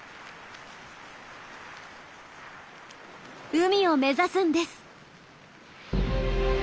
海を目指すんです。